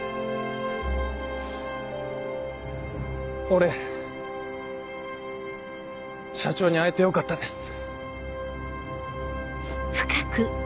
俺社長に会えてよかったです。